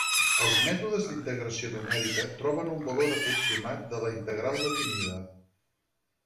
Els mètodes d'integració numèrica troben un valor aproximat de la integral definida.